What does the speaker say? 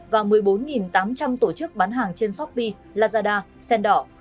và một mươi bốn tám trăm linh tổ chức bán hàng trên shopee lazada sendor